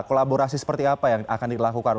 kolaborasi seperti apa yang akan dilakukan